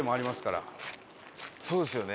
そうですよね。